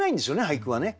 俳句はね。